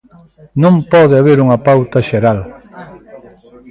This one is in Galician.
Non pode haber unha pauta xeral.